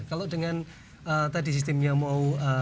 kalau dengan tadi sistemnya mau